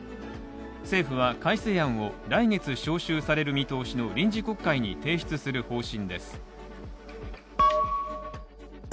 政府は改正案を来月召集される見通しの臨時国会に提出する方針です。